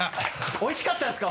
おいしかったですか？